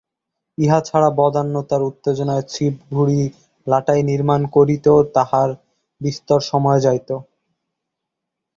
ইহা ছাড়া বদান্যতার উত্তেজনায় ছিপ ঘুড়ি লাটাই নির্মাণ করিতেও তাঁহার বিস্তর সময় যাইত।